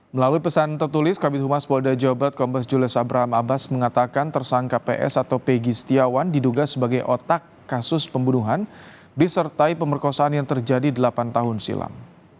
melalui pesan tertulis kabinet humas polda jawa barat kombes jules abraham abbas mengatakan tersangka ps atau pegi setiawan diduga sebagai otak kasus pembunuhan disertai pemerkosaan yang terjadi delapan tahun silam